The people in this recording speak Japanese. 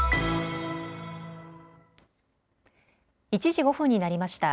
１時５分になりました。